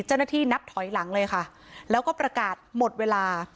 เจ้าหน้าที่นับถอยหลังเลยค่ะแล้วก็ประกาศหมดเวลา